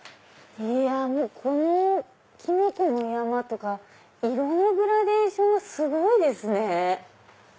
このキノコの山とか色のグラデーションがすごいですね。